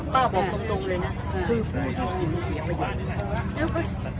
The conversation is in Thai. ป้าผมตรงตรงเลยน่ะคือผู้ที่สูงเสียไปอยู่